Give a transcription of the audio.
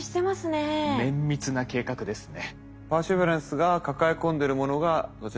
綿密な計画ですね。